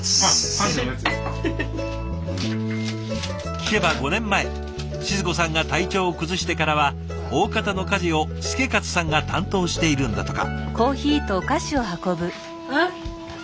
聞けば５年前静子さんが体調を崩してからは大方の家事を祐勝さんが担当しているんだとか。